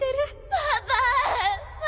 パパ！